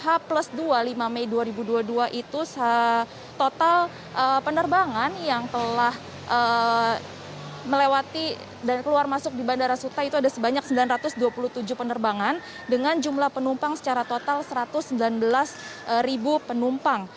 h plus dua lima mei dua ribu dua puluh dua itu total penerbangan yang telah melewati dan keluar masuk di bandara suta itu ada sebanyak sembilan ratus dua puluh tujuh penerbangan dengan jumlah penumpang secara total satu ratus sembilan belas penumpang